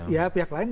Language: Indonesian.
ya pihak lain